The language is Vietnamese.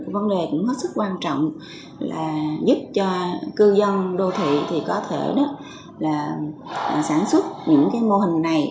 vấn đề cũng rất quan trọng là giúp cho cư dân đô thị có thể sản xuất những mô hình này